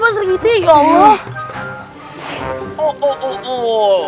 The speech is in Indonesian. hai ya allah